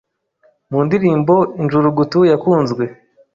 Mu ndirimbo ‘Injurugutu’ yakunzwe